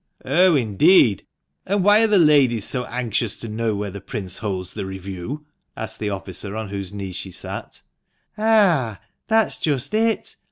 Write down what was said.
" Oh, indeed ! And why are the ladies so anxious to know where the Prince holds the review?" asked the officer on whose knee she sat "Ah — that's just it.